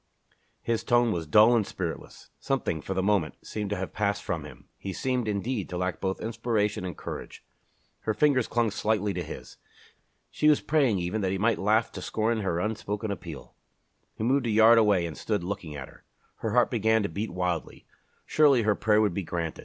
His tone was dull and spiritless. Something, for the moment, seemed to have passed from him. He seemed, indeed, to lack both inspiration and courage. Her fingers clung slightly to his. She was praying, even, that he might laugh to scorn her unspoken appeal. He moved a yard away and stood looking at her. Her heart began to beat wildly. Surely her prayer would be granted!